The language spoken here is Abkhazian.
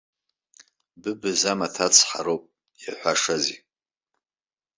Быбз амаҭ ацҳароуп, иаҳәашазеи!